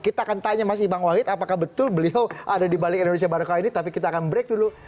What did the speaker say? kita akan tanya mas ibang wahid apakah betul beliau ada di balik indonesia barokah ini tapi kita akan break dulu